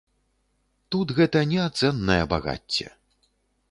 Тут гэта неацэннае багацце!